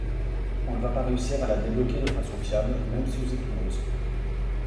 On ne va pas réussir à la débloquer de façon fiable, même sous hypnose.